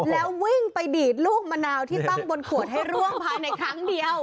แล้ววิ่งไปดีดลูกมะนาวที่ตั้งบนขวดให้ร่วงภายในครั้งเดียว